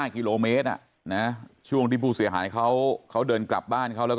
กิโลเมตรช่วงที่ผู้เสียหายเขาเดินกลับบ้านเขาแล้วก็